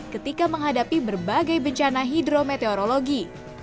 ketika menghadapi berbagai bencana hidrometeorologi